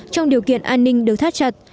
trong điều kiện an ninh được thắt chặt